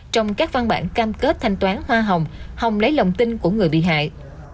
trong các văn bản cam kết thanh toán hoa hồng hồng lấy lòng tin của người bị hại